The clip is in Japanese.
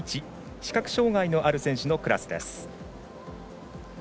視覚障がいのある選手のクラスです。